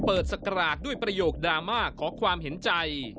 สกรากด้วยประโยคดราม่าขอความเห็นใจ